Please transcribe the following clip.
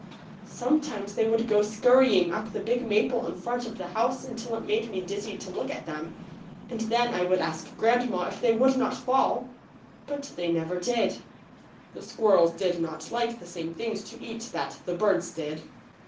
Sometimes they would go scurrying up the big maple in front of the house until it made me dizzy to look at them, and then I would ask grandma if they would not fall, but they never did. The squirrels did not like the same things to eat that the birds did.